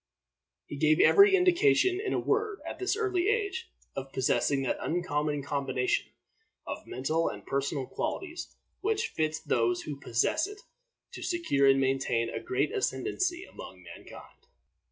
He gave every indication, in a word, at this early age, of possessing that uncommon combination of mental and personal qualities which fits those who possess it to secure and maintain a great ascendency among mankind.